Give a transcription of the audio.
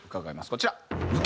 こちら。